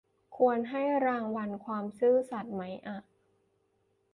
ควรให้รางวัลความซื่อสัตย์ไหมอะ